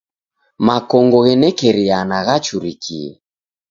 Makongo ghenekeriana ghachurikie.